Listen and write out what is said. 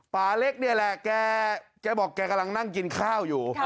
ป่าเล็กนี่แหละแกบอกแกกำลังนั่งกินข้าวอยู่